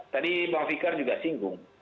tadi bang fikar juga singgung